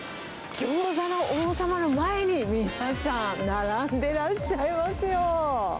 餃子の王さまの前に、皆さん並んでらっしゃいますよ。